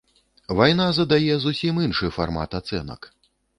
Вайна задае зусім іншы фармат ацэнак.